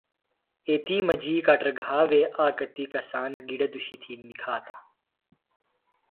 ایتی مجیۡ کاٹر گھا وے آک کتیۡ کسان گِڈہ دُشی تھی نِکھاتہ